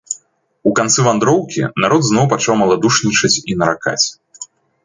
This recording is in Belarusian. У канцы вандроўкі народ зноў пачаў маладушнічаць і наракаць.